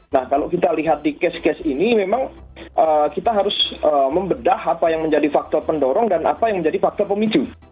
nah kalau kita lihat di case case ini memang kita harus membedah apa yang menjadi faktor pendorong dan apa yang menjadi faktor pemicu